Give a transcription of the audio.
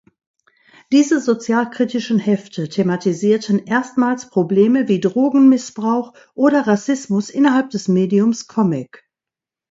Diese sozialkritischen Hefte thematisierten erstmals Probleme wie Drogenmissbrauch oder Rassismus innerhalb des Mediums Comic.